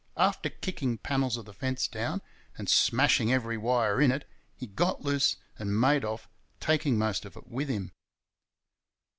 After kicking panels of the fence down and smashing every wire in it, he got loose and made off, taking most of it with him.